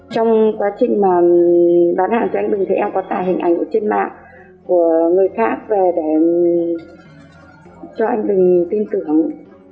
trong quá trình mà bán hàng cho anh bình thì em có tải hình ảnh ở trên mạng của người khác về để cho anh bình tin tưởng